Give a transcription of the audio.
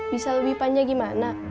bisa lebih panjang gimana